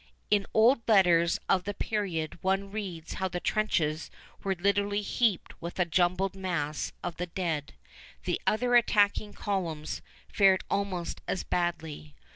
In old letters of the period one reads how the trenches were literally heaped with a jumbled mass of the dead. The other attacking columns fared almost as badly.